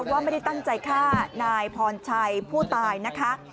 ว่าไม่ได้ตั้งใจฆ่านายพรชัยผู้ตายนะคะ